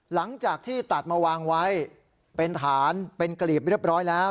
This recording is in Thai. หลังจากที่ตัดมาวางไว้เป็นฐานเป็นกลีบเรียบร้อยแล้ว